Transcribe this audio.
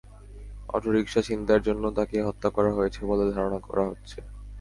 Autorickshaw ছিনতাইয়ের জন্য তাঁকে হত্যা করা হয়েছে বলে ধারণা করা হচ্ছে।